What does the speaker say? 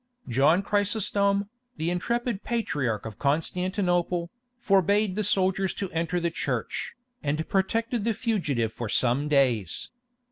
John Chrysostom, the intrepid Patriarch of Constantinople, forbade the soldiers to enter the church, and protected the fugitive for some days.